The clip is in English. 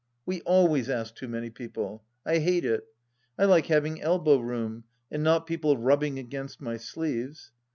We always ask too many people. I hate it. I like having elbow room, and not people rubbing against my sleeves.